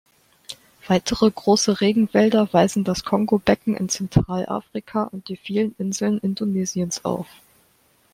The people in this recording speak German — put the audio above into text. Weitere große Regenwälder weisen das Kongobecken in Zentralafrika und die vielen Inseln Indonesiens auf.